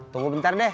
tunggu bentar deh